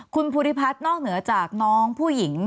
คุณภูริพัฒน์นอกเหนือจากน้องผู้หญิง